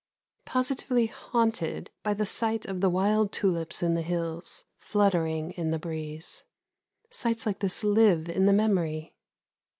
Positively haunted by the sight of the wild tulips in the hills, fluttering in the breeze. Sights like this live in the memory.